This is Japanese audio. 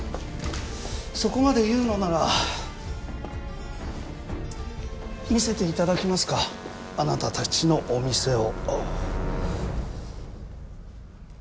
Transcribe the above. そこまで言うのなら見せていただけますかあなたたちのお店を。